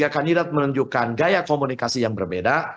tiga kandidat menunjukkan gaya komunikasi yang berbeda